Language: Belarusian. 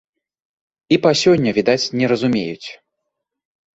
І па сёння, відаць, не разумеюць.